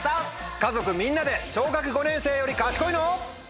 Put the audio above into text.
家族みんなで小学５年生より賢いの？